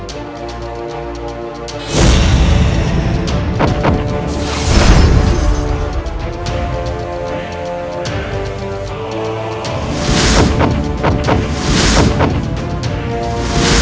hahaha otak aku jangan sampai dia lolos